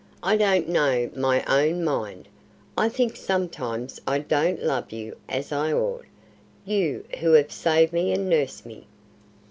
I don't know my own mind. I think sometimes I don't love you as I ought you who have saved me and nursed me."